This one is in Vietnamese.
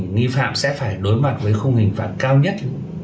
nghi phạm sẽ phải đối mặt với khung hình phạt cao nhất